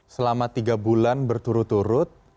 selama tiga bulan berturut turut